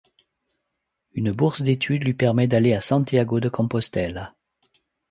Une bourse d'étude lui permet d'aller à Santiago de Compostela.